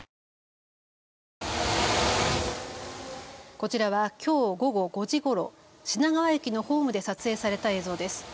こちらはきょう午後５時ごろ、品川駅のホームで撮影された映像です。